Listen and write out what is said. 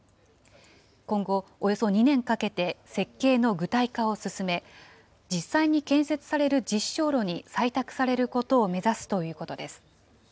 今後、およそ２年かけて設計の具体化を進め、実際に建設される実証炉に採択されることを目指すということです。